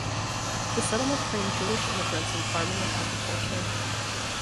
The settlement trained Jewish immigrants in farming and agriculture.